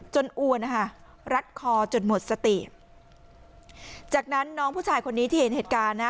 อวนนะคะรัดคอจนหมดสติจากนั้นน้องผู้ชายคนนี้ที่เห็นเหตุการณ์นะ